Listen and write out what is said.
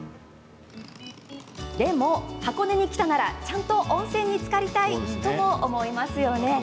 でも、箱根に来たならちゃんと温泉につかりたいとも思いますよね？